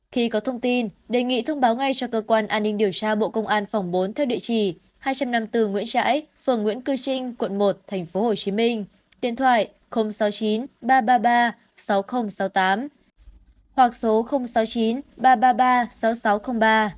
khi có thông tin đề nghị thông báo ngay cho cơ quan an ninh điều tra bộ công an phòng bốn theo địa chỉ hai trăm năm mươi bốn nguyễn trãi phường nguyễn cư trinh quận một tp hcm điện thoại sáu mươi chín ba trăm ba mươi ba sáu nghìn sáu mươi tám hoặc số sáu mươi chín ba trăm ba mươi ba sáu nghìn sáu trăm linh ba